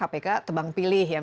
ya kok katanya kpk tebang pilih ya